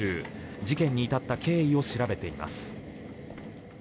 事件に至った経緯を調べています。